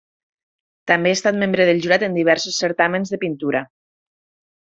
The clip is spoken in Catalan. També ha estat membre del jurat en diversos certàmens de pintura.